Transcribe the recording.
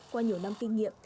qua nhiều năm kinh nghiệm